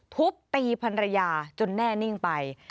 ทุบตีพันรยาจนแน่นิ่งไป